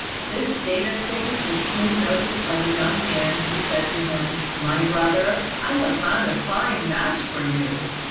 This state of things was soon noticed by the young man, who said to him, "My brother, I have found a fine match for you."